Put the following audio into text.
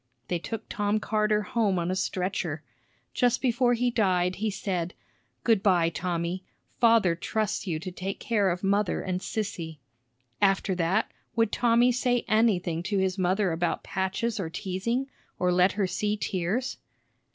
They took Tom Carter home on a stretcher. Just before he died, he said; "Good by, Tommy. Father trusts you to take care of mother and Sissy." After that would Tommy say anything to his mother about patches or teasing, or let her see tears?